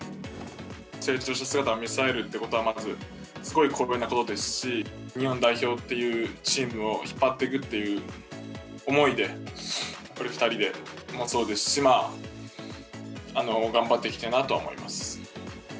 成長した姿を見せ合えるということはまずすごい光栄なことですし、日本代表っていうチームを引っ張っていくっていう思いで、やっぱり２人でもそうですし、頑張っていきたいなと思います。